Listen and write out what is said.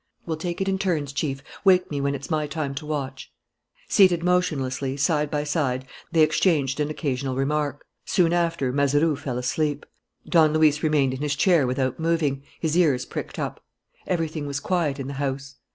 "We'll take it in turns, Chief; wake me when it's my time to watch." Seated motionlessly, side by side, they exchanged an occasional remark. Soon after, Mazeroux fell asleep. Don Luis remained in his chair without moving, his ears pricked up. Everything was quiet in the house.